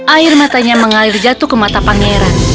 air matanya mengalir jatuh ke mata pangeran